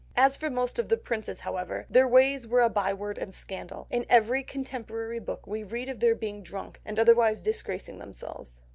As for most of the princes, however, their ways were a byword and scandal. In every contemporary book we read of their being drunk, and otherwise disgracing themselves.